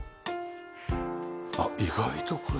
あっ意外とこれ。